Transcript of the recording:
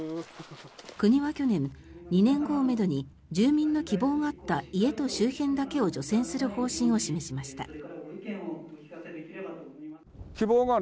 国は去年、２年後をめどに住民の希望があった家と周辺だけを除染する方針を示しました。